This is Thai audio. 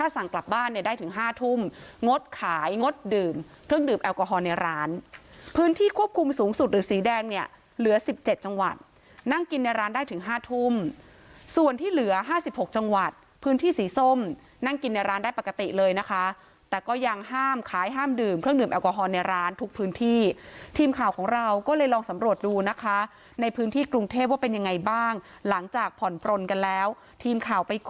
สิบเจ็ดจังหวัดนั่งกินในร้านได้ถึงห้าทุ่มส่วนที่เหลือห้าสิบหกจังหวัดพื้นที่สีส้มนั่งกินในร้านได้ปกติเลยนะคะแต่ก็ยังห้ามขายห้ามดื่มเครื่องดื่มแอลกอฮอล์ในร้านทุกพื้นที่ทีมข่าวของเราก็เลยลองสำรวจดูนะคะในพื้นที่กรุงเทพว่าเป็นยังไงบ้างหลังจากผ่อนโปรนกันแล้วทีมข่าวไป